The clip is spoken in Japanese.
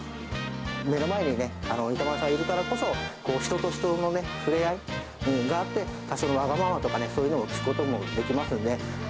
目の前に板前さんいるからこそ、人と人との触れ合いがあって、多少のわがままとかね、そういうのを聞くこともできますので。